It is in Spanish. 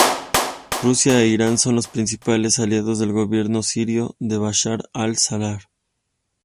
Rusia e Irán son los principales aliados del gobierno sirio de Bashar Al-Assad.